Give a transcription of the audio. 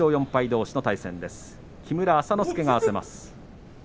どうしの対戦です。